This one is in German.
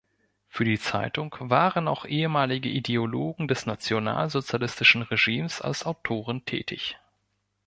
Für die Zeitung waren auch ehemalige Ideologen des nationalsozialistischen Regimes als Autoren tätig.